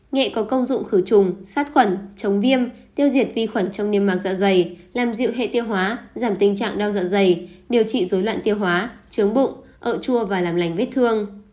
nghệ có công dụng khử trùng sát khuẩn chống viêm tiêu diệt vi khuẩn trong niêm mạc dạ dày làm dịu hệ tiêu hóa giảm tình trạng đau dạ dày điều trị dối loạn tiêu hóa chướng bụng ậu chua và làm lành vết thương